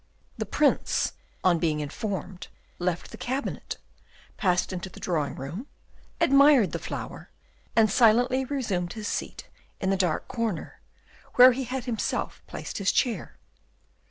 The Prince, on being informed, left the cabinet, passed into the drawing room, admired the flower, and silently resumed his seat in the dark corner, where he had himself placed his chair.